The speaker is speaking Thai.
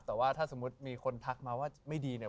แต่ว่าถ้าสมมุติมีคนทักมาว่าไม่ดีเนี่ย